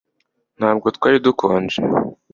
Ntabwo twari dukonje